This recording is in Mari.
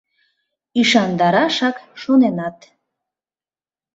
Ӱшандарашак шоненат: